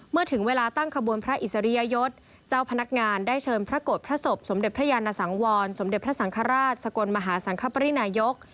เมื่อถึงเวลาตั้งขบวนพระอิสริยยศเจ้าพนักงานได้เชิญพระโกรธพระศพสมเด็จพระยานสังวรสมเด็จพระสังฆราชสกลมหาสังคปรินายก